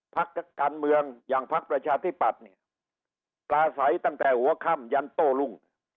ภาคการเมืองอย่างภาคประชาธิปัตต์ปลาใสตั้งแต่หัวค่ำยัลโต้ลุง